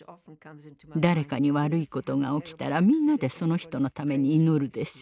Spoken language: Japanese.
誰かに悪いことが起きたらみんなでその人のために祈るでしょう。